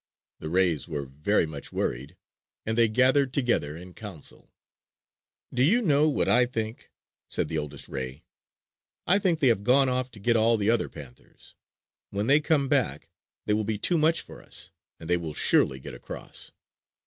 The rays were very much worried, and they gathered together in council. "Do you know what I think?" said the oldest ray. "I think they have gone off to get all the other panthers. When they come back, they will be too much for us and they will surely get across!"